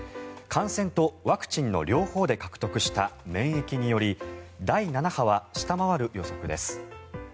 感染とワクチンの両方で獲得した免疫により第７波は下回る予測です。